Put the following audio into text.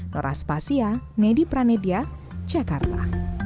nora spasia nedi pranedia jakarta